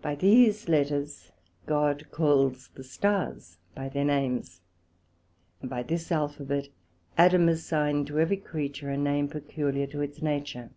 By these Letters God calls the Stars by their names; and by this Alphabet Adam assigned to every creature a name peculiar to its nature.